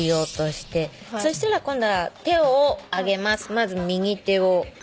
まず右手を。